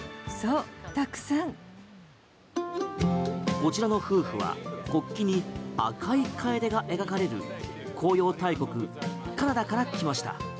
こちらの夫婦は国旗に赤いカエデが描かれる紅葉大国カナダから来ました。